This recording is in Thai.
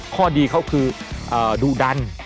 ข้อดีเขาคือดุดัน